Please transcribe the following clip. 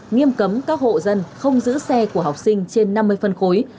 nghiêm cấm các hộ dân không giữ xe của học sinh trên năm mươi phân khối